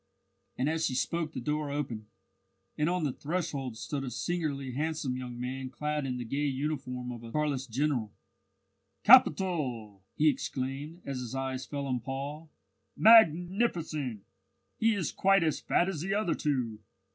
And as she spoke the door opened, and on the threshold stood a singularly handsome young man clad in the gay uniform of a Carlist general. "Capital!" he exclaimed, as his eyes fell on Paul. "Magnificent! He is quite as fat as the other two.